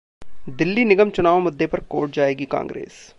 दिल्ली निगम चुनाव मुद्दे पर कोर्ट जाएगी कांग्रेस